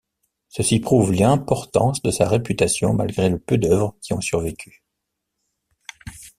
Ceci prouve l'importance de sa réputation malgré le peu d'œuvres qui ont survécu.